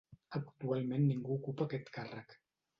Actualment ningú ocupa aquest càrrec.